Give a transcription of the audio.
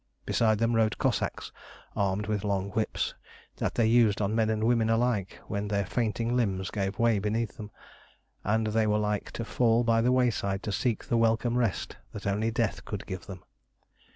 Beside them rode Cossacks armed with long whips that they used on men and women alike when their fainting limbs gave way beneath them, and they were like to fall by the wayside to seek the welcome rest that only death could give them.